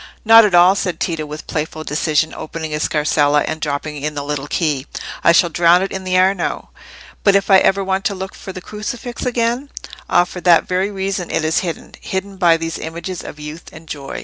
"Not at all!" said Tito, with playful decision, opening his scarsella and dropping in the little key. "I shall drown it in the Arno." "But if I ever wanted to look at the crucifix again?" "Ah! for that very reason it is hidden—hidden by these images of youth and joy."